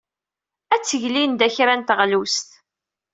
Ad teg Linda kra n teɣlust.